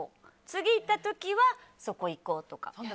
次行った時はそこ行こうとか。